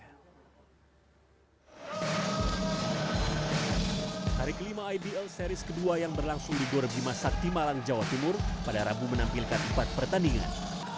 hari ke lima ibl series ke dua yang berlangsung di gorbima saktimalang jawa timur pada rabu menampilkan empat pertandingan